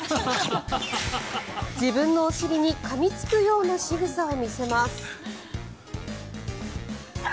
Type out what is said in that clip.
自分のお尻にかみつくようなしぐさを見せます。